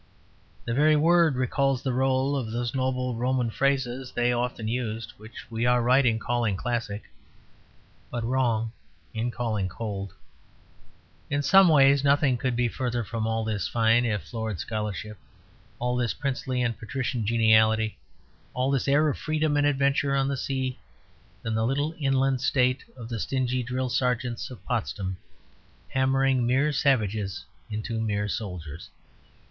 The very word recalls the roll of those noble Roman phrases they often used, which we are right in calling classic, but wrong in calling cold. In some ways nothing could be further from all this fine if florid scholarship, all this princely and patrician geniality, all this air of freedom and adventure on the sea, than the little inland state of the stingy drill sergeants of Potsdam, hammering mere savages into mere soldiers.